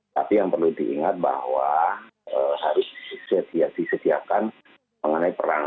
tapi yang perlu diingat bahwa harus disediakan mengenai perang